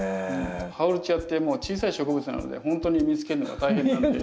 ハオルチアってもう小さい植物なのでほんとに見つけるのが大変なんで。